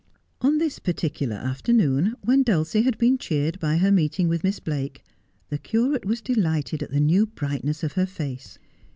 On this particular afternoon, when Dulcie had been cheered by her meeting with Miss Blake, the curate was delighted at the new brightness of her face.